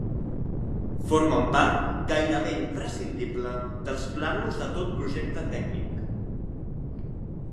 Formen part, gairebé imprescindible, dels plànols de tot projecte tècnic.